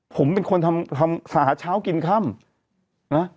ผมเป็นคนทำหาเช้ากินค่ำนะ